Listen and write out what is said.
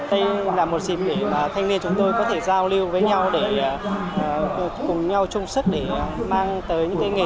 đây là một dịp để thanh niên chúng tôi có thể giao lưu với nhau để cùng nhau chung sức để mang tới những nghề